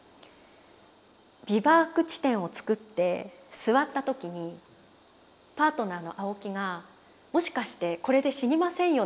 ビバーク地点を作って座った時にパートナーの青木が「もしかしてこれで死にませんよね」